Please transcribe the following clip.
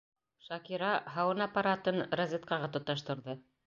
Шакира һауын аппаратын розеткаға тоташтырҙы.